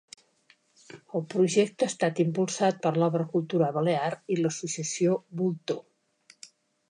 El projecte ha estat impulsat per l'Obra Cultural Balear i l'Associació Voltor.